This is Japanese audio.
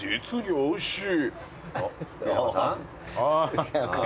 おいしい。